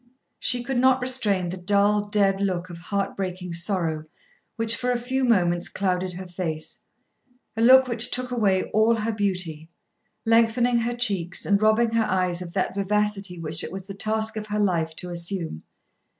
She could not restrain the dull dead look of heart breaking sorrow which for a few moments clouded her face, a look which took away all her beauty, lengthening her cheeks, and robbing her eyes of that vivacity which it was the task of her life to assume.